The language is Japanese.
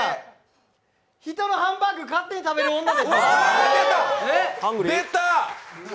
人のハンバーグを勝手に食べる女。